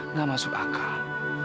nggak masuk akal